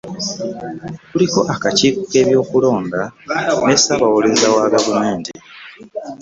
Kuliko akakiiko k'ebyokulonda ne Ssaabawolereza wa gavumenti